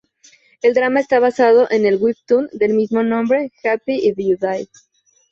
El drama está basado en el webtoon del mismo nombre "Happy If You Died".